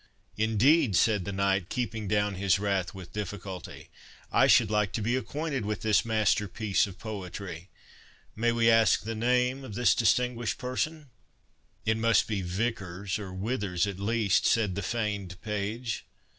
"Indeed!" said the knight, keeping down his wrath with difficulty. "I should like to be acquainted with this master piece of poetry!—May we ask the name of this distinguished person?" "It must be Vicars, or Withers, at least," said the feigned page.